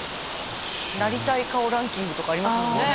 なりたい顔ランキングとかありますもんね。